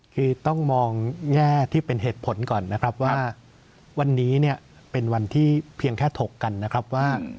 คือต้องมองแง่ที่เป็นเหตุผลก่อนนะครับว่าวันนี้เนี่ยเป็นวันที่เพียงแค่ถกกันนะครับว่า